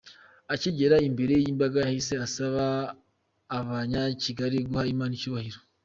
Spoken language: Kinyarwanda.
Akigera imbere y’imbaga yahise asaba Abanyakigali guha Imana icyubahiro.